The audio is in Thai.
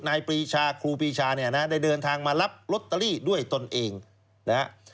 ปรีชาครูปีชาเนี่ยนะได้เดินทางมารับลอตเตอรี่ด้วยตนเองนะฮะ